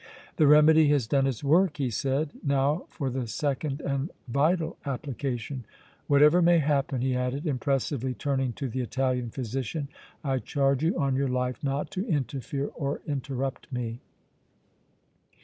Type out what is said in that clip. "The remedy has done its work!" he said. "Now for the second and vital application! Whatever may happen," he added, impressively, turning to the Italian physician, "I charge you on your life not to interfere or interrupt me!"